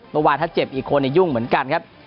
ประวัติถ้าเจ็บอีกคนยังยุ่งเหมือนกันครับ